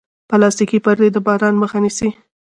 پلاستيکي پردې د باران مخه نیسي.